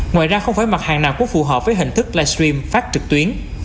ngoài ra không phải mặt hàng nào có phù hợp với hình thức live stream phát trực tuyến